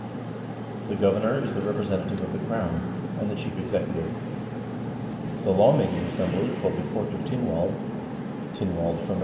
The governor is the representative of the crown, and the chief executive. The law making assembly, called the Court of Tynwald (Tynwald < O.